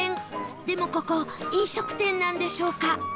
でもここ飲食店なんでしょうか？